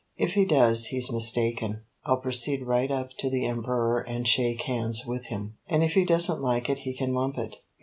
If he does, he's mistaken. I'll proceed right up to the Emperor and shake hands with him, and if he doesn't like it he can lump it.